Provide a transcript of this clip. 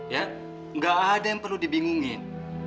ya nggak ada yang perlu dibingungin